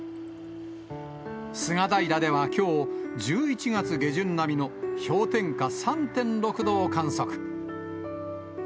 菅平ではきょう、１１月下旬並みの氷点下３．６度を観測。